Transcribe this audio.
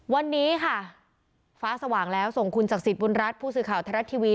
วันนี้ค่ะฟ้าสว่างแล้วส่งคุณศักดิ์สิทธิบุญรัฐผู้สื่อข่าวไทยรัฐทีวี